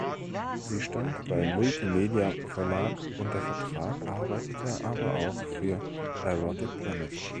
Sie stand bei Multi Media Verlag unter Vertrag, arbeitete aber auch für erotic-planet.